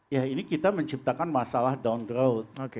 ya ini kita menciptakan masalah down drowth